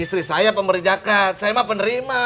istri saya pemberi zakat saya mah penerima